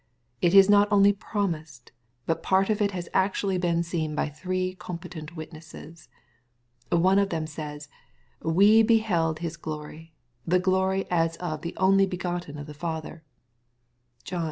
It is not only promised, but part of it has actually been seen by three competent witnesses. One of them says, "we beheld his glory, the glory as of the only begotten of the Father." (John i.